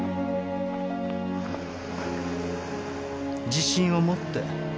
自信を持って。